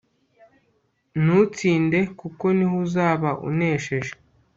nutsinde kuko niho uzaba unesheje